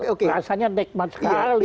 oh rasanya nikmat sekali